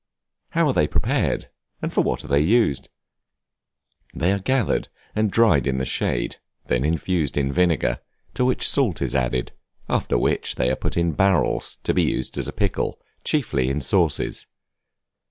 How are they prepared, and for what are they used? They are gathered, and dried in the shade; then infused in vinegar, to which salt is added; after which they are put in barrels, to be used as a pickle, chiefly in sauces.